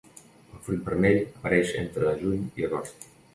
El fruit vermell apareix entre juny i agost.